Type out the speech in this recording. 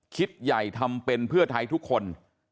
ใหญ่ทำเป็นเพื่อไทยทุกคน